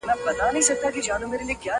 وړانګي ته په تمه چي زړېږم ته به نه ژاړې!!